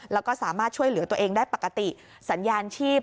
แล้วก็สามารถช่วยเหลือตัวเองได้ปกติสัญญาณชีพ